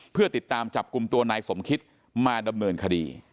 เพื่อติดตามจับกลุ่มตัวนายสมคิตมาดำเนินคดี